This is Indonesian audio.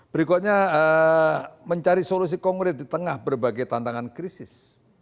berikutnya mencari solusi konkret di tengah berbagai tantangan krisis